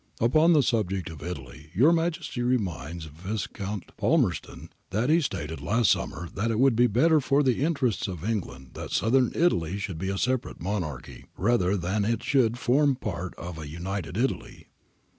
iii.). ' Upon the subject of Italy your Majesty reminds Viscount Palmerston that he stated last summer that it would be better for the interests of England that Southern Italy should be a separate Monarchy, rather than that it should form part of a United Italy.